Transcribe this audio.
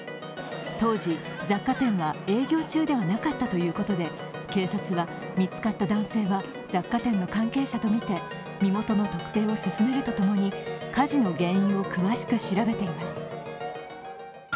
当時、雑貨店は営業中ではなかったということで、警察は見つかった男性は雑貨店の関係者とみて身元の特定を進めるとともに火事の原因を詳しく調べています。